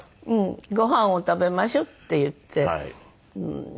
うんごはんを食べましょうって言って。